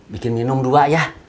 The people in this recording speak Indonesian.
bikin minum dua ya